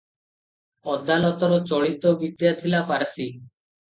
ଅଦାଲତର ଚଳିତ ବିଦ୍ୟା ଥିଲା ପାର୍ସି ।